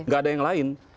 gak ada yang lain